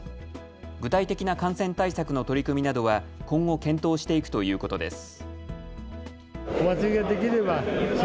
具体的な感染対策の取り組みなどは今後、検討していくということです。